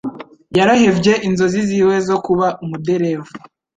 Yarahevye inzozi ziwe zo kuba umuderevu.